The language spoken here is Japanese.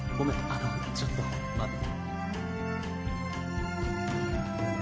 あのちょっと待って。